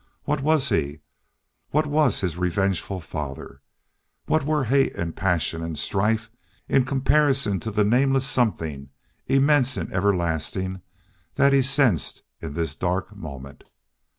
What was he, what was his revengeful father, what were hate and passion and strife in comparison to the nameless something, immense and everlasting, that he sensed in this dark moment?